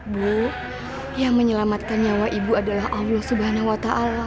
bu yang menyelamatkan nyawa ibu adalah allah swt